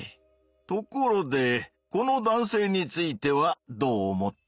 ところでこの男性についてはどう思った？